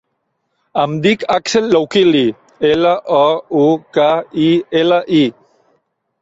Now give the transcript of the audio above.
Em dic Axel Loukili: ela, o, u, ca, i, ela, i.